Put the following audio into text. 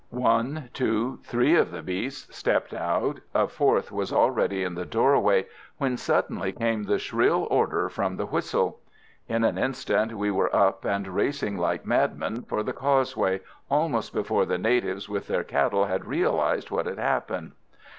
One, two, three of the beasts stepped out; a fourth was already in the doorway, when suddenly came the shrill order from the whistle. In an instant we were up and racing like madmen for the causeway, almost before the natives with their cattle had realised what had happened.